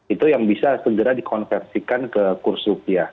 itu yang bisa segera dikonversikan ke kurs rupiah